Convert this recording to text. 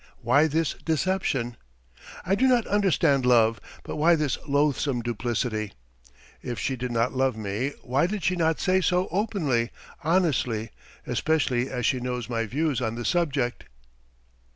Why this deception? I do not demand love, but why this loathsome duplicity? If she did not love me, why did she not say so openly, honestly, especially as she knows my views on the subject?